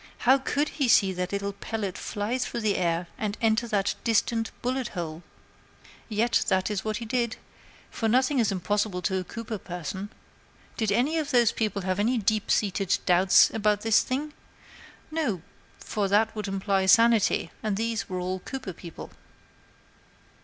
How could he see that little pellet fly through the air and enter that distant bullet hole? Yet that is what he did; for nothing is impossible to a Cooper person. Did any of those people have any deep seated doubts about this thing? No; for that would imply sanity, and these were all Cooper people.